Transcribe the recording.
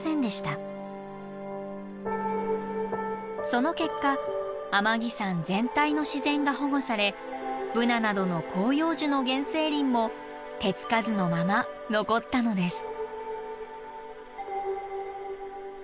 その結果天城山全体の自然が保護されブナなどの広葉樹の原生林も手付かずのまま残ったのです。